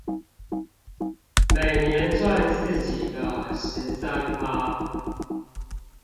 每年賺自己的十三趴